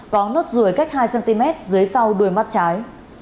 có nốt ruồi cách hai cm dưới sau đuôi mắt trái